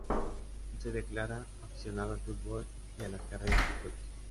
Se declara aficionado al Fútbol y a las carreras de coches.